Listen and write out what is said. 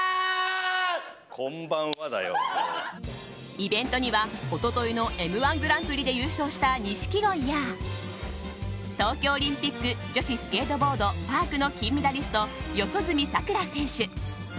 イベントには一昨日の「Ｍ‐１グランプリ」で優勝した錦鯉や東京オリンピック女子スケートボードパークの金メダリスト、四十住さくら選手。